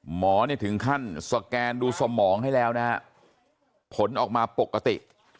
หมอเนี่ยถึงขั้นสแกนดูสมองให้แล้วนะฮะผลออกมาปกติ